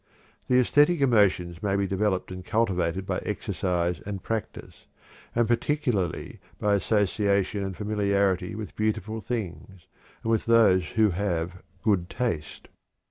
The æsthetic emotions may be developed and cultivated by exercise and practice, and particularly by association and familiarity with beautiful things, and with those who have "good taste."